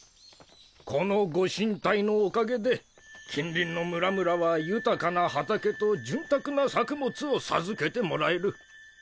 このご神体のおかげで近隣の村々は豊かな畑と潤沢な作物を授けてもらえる。